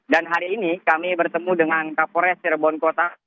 dan hari ini kami bertemu dengan kapolres sirbon kota